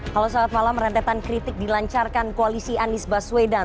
halo selamat malam rentetan kritik dilancarkan koalisi anies baswedan